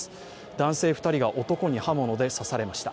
男性２人が男に刃物で刺されました。